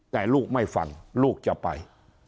แต่ลูกไม่ฟังลูกจะไป